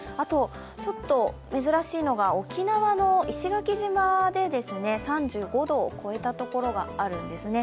ちょっと珍しいのが沖縄の石垣島で３５度を超えたところがあるんですね。